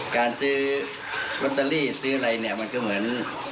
การซื้อลอตเตอรี่ซื้ออะไรเนี่ยมันก็เหมือน